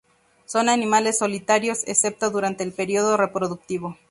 Son animales solitarios, excepto durante el período reproductivo.